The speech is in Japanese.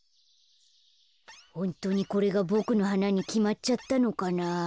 ホントにこれがボクのはなにきまっちゃったのかなあ。